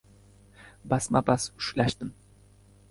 Basma-bas ushlashdim.